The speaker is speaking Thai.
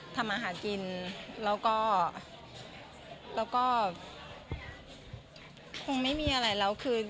ทำอาหารกินแล้วก็คงไม่มีอะไรแล้วคือ